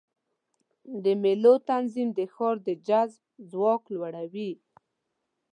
د مېلو تنظیم د ښار د جذب ځواک لوړوي.